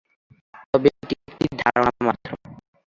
তবে এটি একটি ধারণা মাত্র।